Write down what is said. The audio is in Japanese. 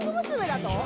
だと？